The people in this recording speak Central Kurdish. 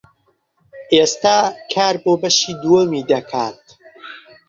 ئێستا کار بۆ بەشی دووەمی دەکات.